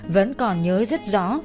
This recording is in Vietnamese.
vẫn còn nhớ rất rõ